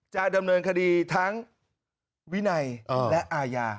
จะดำเนินคดีทั้งวินัยและอาญา